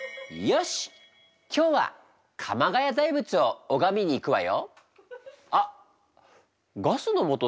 よし鎌ケ谷大仏を拝みに行くわよ。